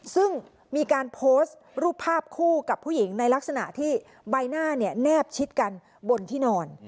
ซึ่งมีการโพสต์รูปภาพคู่กับผู้หญิงในลักษณะที่ใบหน้าเนี่ยแนบชิดกันบนที่นอน